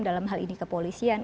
dalam hal ini kepolisian